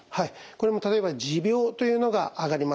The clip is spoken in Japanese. これも例えば持病というのが挙がります。